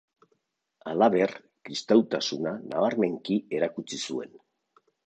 Halaber, kristautasuna nabarmenki erakutsi zuen.